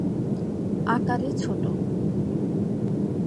আকারে ছোট।